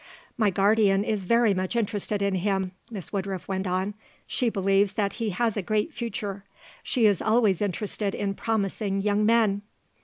"My guardian is very much interested in him," Miss Woodruff went on. "She believes that he has a great future. She is always interested in promising young men."